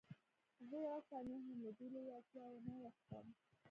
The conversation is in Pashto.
زه یوه ثانیه هم له دې لېوالتیا وانه وښتم